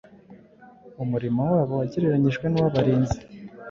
Umurimo wabo wagereranyijwe n’uw’abarinzi.